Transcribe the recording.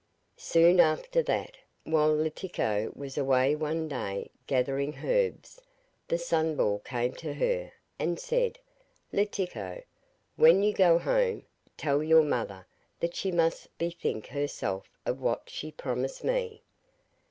Soon after that, while Letiko was away one day gathering herbs, the Sunball came to her, and said: 'Letiko, when you go home, tell your mother that she must bethink herself of what she promised me.